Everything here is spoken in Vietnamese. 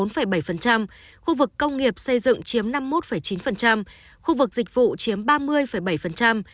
khu vực công nghiệp xây dựng chiếm năm mươi một chín khu vực dịch vụ chiếm ba mươi bảy